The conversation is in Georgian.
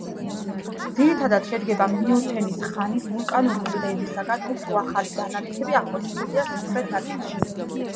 ძირითადად შედგება მიოცენის ხანის ვულკანური კლდეებისგან, უფრო ახალი დანალექები აღმოჩენილია სამხრეთ ნაწილში.